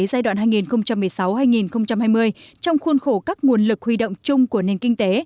giai đoạn hai nghìn một mươi sáu hai nghìn hai mươi trong khuôn khổ các nguồn lực huy động chung của nền kinh tế